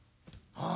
ああ